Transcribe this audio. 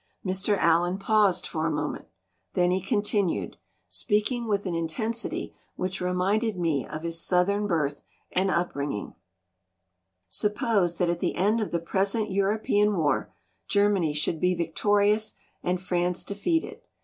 Mr. Allen paused for a moment. Then he con tinued, speaking with an intensity which reminded me of his Southern birth and upbringing: "Suppose that at the end of the present Euro pean war Germany should be victorious and France defeated.